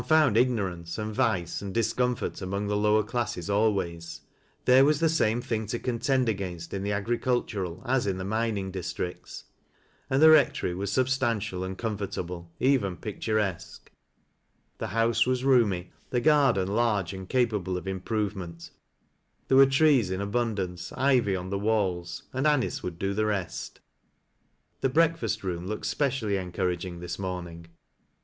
und ignorance, and vice, and discomfort among the ii.wer classes always ; there was the same thing to contend against in the agricultural as in the mining districts. And the Rectory was substantial and comfortable, even pic turesque. The house was roomy, the garden large and capable of improvement ; there were trees in abundance, ivy on the walls, and Anice would do the rest. The breakfast room looked specially encouraging this morn ing.